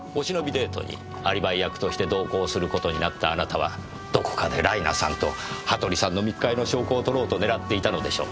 デートにアリバイ役として同行する事になったあなたはどこかでライナさんと羽鳥さんの密会の証拠を撮ろうと狙っていたのでしょう。